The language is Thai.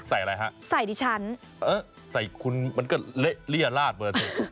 ใส่อะไรฮะใส่ดิฉันเอ๊ะใส่คุณมันก็เลี้ยลาดเบอร์ถูก